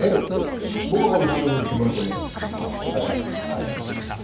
僕はこの３連戦で決まると思います。